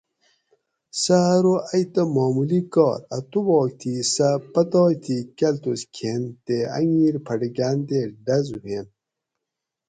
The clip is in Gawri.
سہ ارو ائی تہ معمولی کار اۤ توباک تھی سہ پتائے تھی کالتوس کھین تے اۤنگیر پھٹکاۤن تے ڈۤز ہوئین